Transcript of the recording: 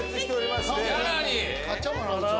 買っちゃおうかな器。